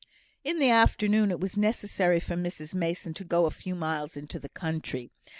In the afternoon it was necessary for Mrs Mason to go a few miles into the country.